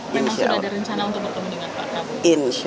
memang sudah ada rencana untuk bertemu dengan pak prabowo